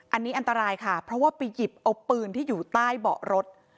อันนี้อันตรายค่ะเพราะว่าไปหยิบเอาปืนที่อยู่ใต้เบาะรถ